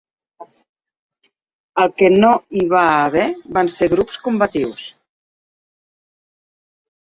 El que no hi va haver van ser grups combatius.